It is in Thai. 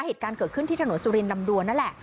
เหตุการณ์เกิดขึ้นที่ถนนสุรินลำดวนนั่นแหละ